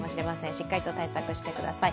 しっかりと対策してください。